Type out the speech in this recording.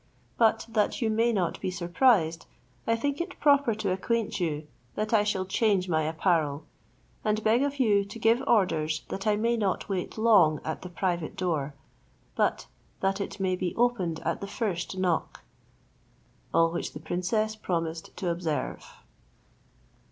But that you may not be surprised, I think it proper to acquaint you, that I shall change my apparel, and beg of you to give orders that I may not wait long at the private door, but that it may be opened at the first knock;" all which the princess promised to observe.